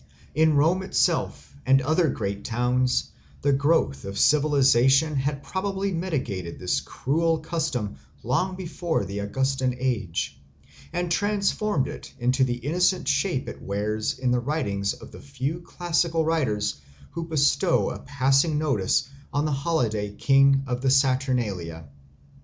In Rome itself and other great towns the growth of civilisation had probably mitigated this cruel custom long before the Augustan age, and transformed it into the innocent shape it wears in the writings of the few classical writers who bestow a passing notice on the holiday King of the Saturnalia.